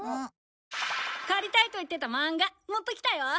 借りたいと言ってた漫画持ってきたよ。